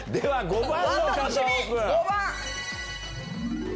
５番。